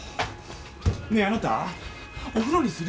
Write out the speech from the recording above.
ねぇあなたお風呂にする？